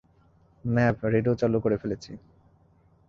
ম্যাভ, radio চালু করে ফেলেছি।